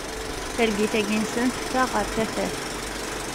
Targit-agi-nsen teffeɣ ɣer tafat.